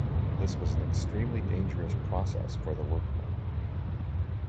This was an extremely dangerous process for the workmen.